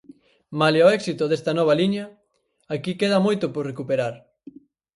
Malia o éxito desta nova liña, aquí queda moito por recuperar.